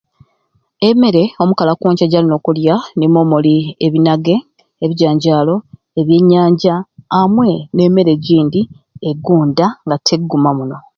Emmere omukali akonca gyalina okulya nimwo muli ebinage ebijanjalo ebyenyanja amwei n'emmere egyindi egonda nga tekuguma muno